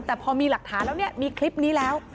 แต่พอมีหลักฐานแล้วเนี่ยมีคลิปนี้แล้ว